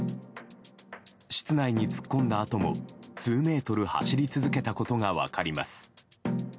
室内に突っ込んだあとも数メートル走り続けたことが分かります。